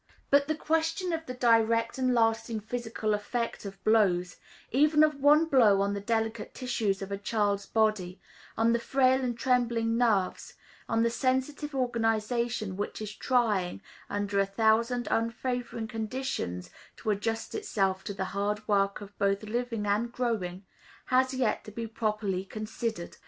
But the question of the direct and lasting physical effect of blows even of one blow on the delicate tissues of a child's body, on the frail and trembling nerves, on the sensitive organization which is trying, under a thousand unfavoring conditions, to adjust itself to the hard work of both living and growing has yet to be properly considered.